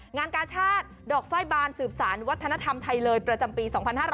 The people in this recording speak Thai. งานกาชาติดอกไฟล์บานสืบสารวัฒนธรรมไทยเลยประจำปี๒๕๕๙